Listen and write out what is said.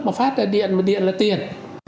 mà phát ra điện mà điện là tiền